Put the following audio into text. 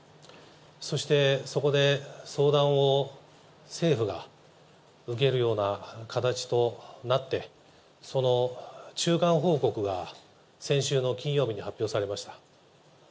そして、そこで相談を、政府が受けるような形となって、その中間報告が先週の金曜日に発表されました。